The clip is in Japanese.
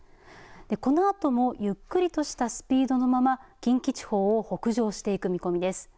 このあともゆっくりとしたスピードのまま近畿地方を北上していく見込みです。